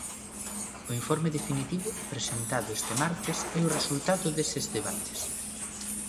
O informe definitivo, presentado este martes, é o resultado deses debates.